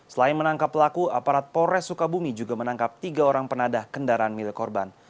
selain menangkap pelaku aparat polres sukabumi juga menangkap tiga orang penadah kendaraan milik korban